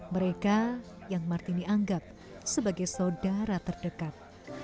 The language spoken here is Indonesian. mereka yang martini anggap sebagai saudara terdekat